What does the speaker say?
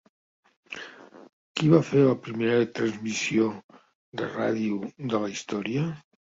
Qui va fer la primera transmissió de ràdio de la història?